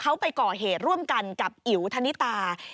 เขาไปก่อเหตุร่วมกันกับอิ๋วธนิตา